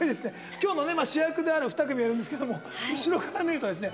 今日のね主役である２組なんですけども後ろから見るとですね